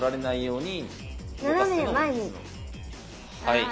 はい。